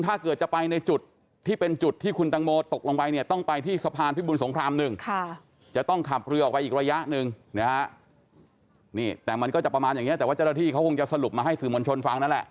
แต่มันก็จะประมาณอย่างนี้แต่ว่าเจ้าหน้าที่เขาคงจะสรุปมาให้สื่อบัญชนฟังนั่นแหละ